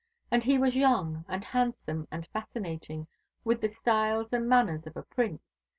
And he was young and handsome and fascinating, with the style, and manners of a prince.